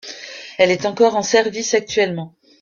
Elle est encore en service actuellement.